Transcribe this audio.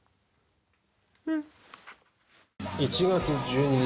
ふんっ１月１２日